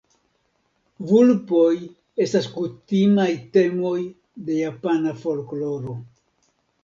Vulpoj estas kutimaj temoj de japana folkloro.